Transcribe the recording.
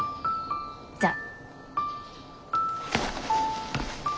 じゃあ。